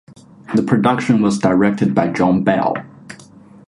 The production was directed by John Bell.